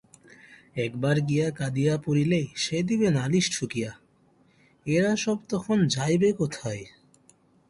একবার গিয়া কাদিয়া পড়িলেই সে দিবে নালিশ ঠুকিয়া, এরা সব তখন যাইবে কোথায়?